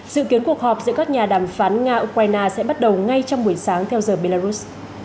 dự kiến cuộc họp giữa các nhà đàm phán nga ukraine sẽ bắt đầu ngay trong buổi sáng theo giờ belarus